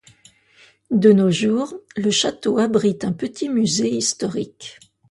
De nos jours, le château abrite un petit musée historique.